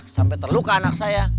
sampai terluka anak saya